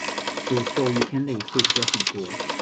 有时候一天内会写很多。